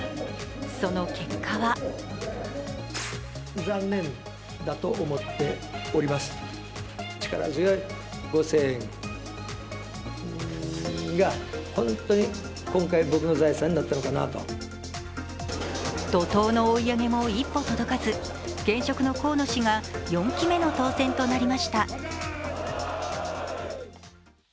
その結果は怒とうの追い上げも一歩届かず、現職の河野氏が４期目の当選となりました。